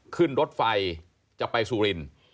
ขึ้นรถไฟจะไปสุรินทร์